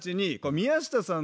宮下さん。